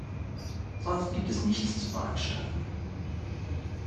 Sonst gibt es nichts zu beanstanden.